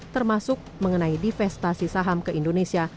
termasuk mengenai divestasi saham ke indonesia